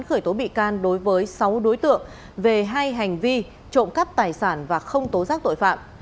khởi tố bị can đối với sáu đối tượng về hai hành vi trộm cắp tài sản và không tố giác tội phạm